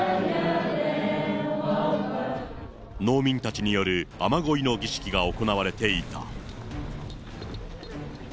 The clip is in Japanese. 農民たちによる雨乞いの儀式が行われていた。